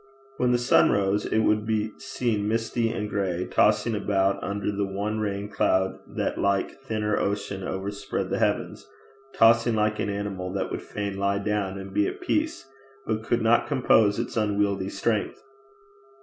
When the sun rose it would be seen misty and gray, tossing about under the one rain cloud that like a thinner ocean overspread the heavens tossing like an animal that would fain lie down and be at peace but could not compose its unwieldy strength.